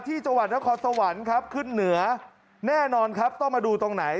ที่จังหวัดนครสวรรค์ครับขึ้นเหนือแน่นอนครับต้องมาดูตรงไหน